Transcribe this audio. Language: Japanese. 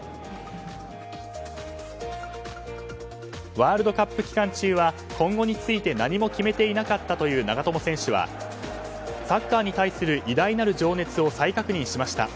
ワールドカップ期間中は今後について何も決めていなかったという長友選手はサッカーに対する偉大なる情熱を再確認しました。